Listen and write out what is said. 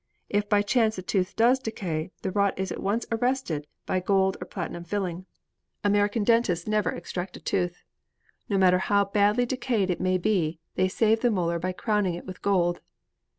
If by chance a tooth does decay, the rot is at once arrested by gold or platinum filling. American dentists never extract a tooth. No matter how badly decayed it may be, they save the molar by crowning it with gold.